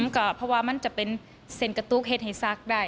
ก็เพราะว่ามันจะเป็นเซ็นกระตุกเหตุให้ซักได้